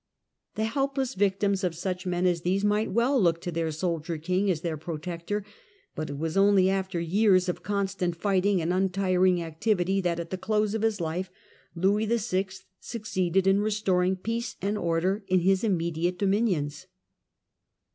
The helpless victims of such men as these might well look to their soldier king as their protector, but it was only after years of constant fighting and untiring activity that, at the close of his life, Louis VI. succeeded in restoring peace and order to his immediate dominions.